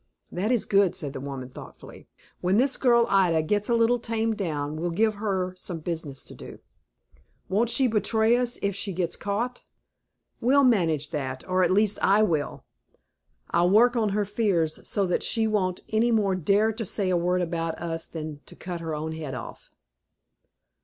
"That is good," said the woman, thoughtfully. "When this girl Ida gets a little tamed down, we'll give her some business to do." "Won't she betray us if she gets caught?" "We'll manage that, or at least I will. I'll work on her fears so that she won't any more dare to say a word about us than to cut her own head off."